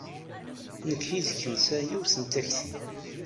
Nekk yid-k nesɛa yiwet n takti.